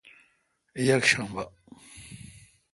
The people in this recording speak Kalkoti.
یکشنبہ